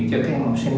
cho các học sinh